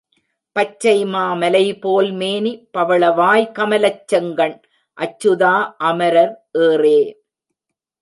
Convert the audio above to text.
பச்சைமா மலைபோல் மேனி பவளவாய் கமலச் செங்கண் அச்சுதா அமரர் ஏறே!